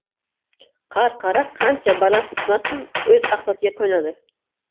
• Qarqara qancha baland uchmasin, o‘z axlatiga qo‘nadi.